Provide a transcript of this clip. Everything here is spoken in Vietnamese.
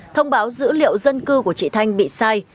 thông báo dữ liệu dân cư của chị thanh bị sai